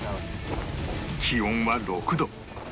気温は６度